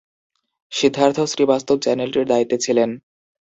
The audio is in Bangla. সিদ্ধার্থ শ্রীবাস্তব চ্যানেলটির দায়িত্বে ছিলেন।